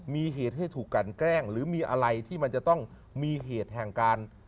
มีเหตุให้ถูกกันแกล้งหรือมีอะไรที่มันจะต้องมีเหตุแห่งการ